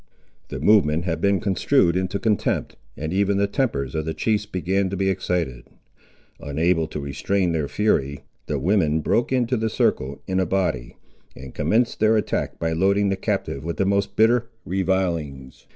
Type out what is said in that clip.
The movement had been construed into contempt, and even the tempers of the chiefs began to be excited. Unable to restrain their fury, the women broke into the circle in a body, and commenced their attack by loading the captive with the most bitter revilings.